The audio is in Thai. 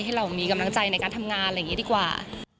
ให้เรามีกำลังใจในการทำงานอะไรอย่างนี้ดีกว่า